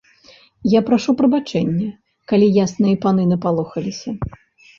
Я прашу прабачэння, калі ясныя паны напалохаліся.